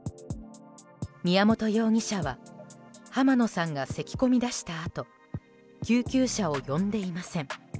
宮本容疑者は浜野さんがせき込みだしたあと救急車を呼んでいません。